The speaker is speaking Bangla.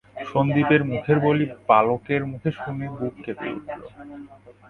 সন্দীপের মুখের বুলি বালকের মুখে শুনে বুক কেঁপে উঠল।